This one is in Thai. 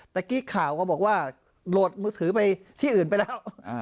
เมื่อกี้ข่าวก็บอกว่าโหลดมือถือไปที่อื่นไปแล้ว